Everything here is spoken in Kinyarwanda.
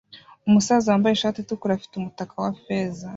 Umusaza wambaye ishati itukura afite umutaka wa feza